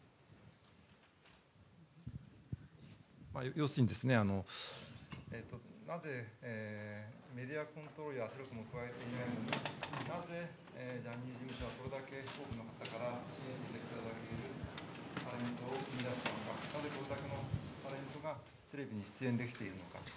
要するに、なぜメディアコントロールや圧力も加えていないのになぜジャニーズ事務所はこれだけ多くの方に支援がいただけるタレントがいてこれだけのタレントがテレビに出演できているのか。